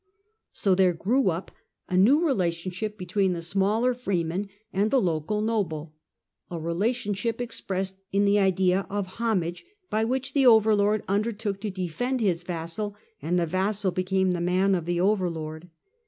So there grew up a new relation ship between the smaller freeman and the local noble — a relationship expressed in the idea of homage, by which the overlord undertook to defend his vassal and the vassal became the " man " of the overlord.